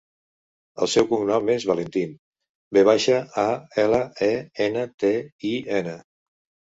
El seu cognom és Valentin: ve baixa, a, ela, e, ena, te, i, ena.